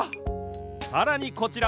さらにこちら！